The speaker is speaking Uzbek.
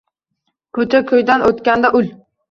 Koʼcha – koʼydan oʼtganda ul.